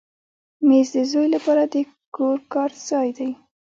مېز د زوی لپاره د کور کار ځای دی.